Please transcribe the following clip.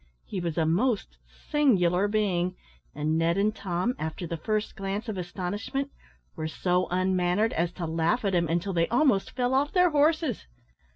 He was a most singular being, and Ned and Tom, after the first glance of astonishment, were so un mannered as to laugh at him until they almost fell off their horses.